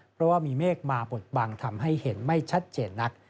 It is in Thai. เพราะว่ามีเมฆมาบดบังทำให้เห็นไม่ชัดเจนนัก